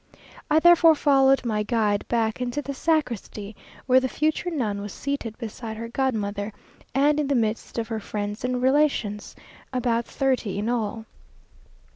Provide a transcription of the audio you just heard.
I therefore followed my guide back into the sacristy, where the future nun was seated beside her god mother, and in the midst of her friends and relations, about thirty in all.